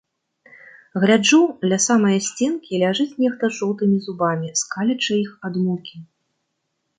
Гляджу, ля самае сценкі ляжыць нехта з жоўтымі зубамі, скалячы іх ад мукі.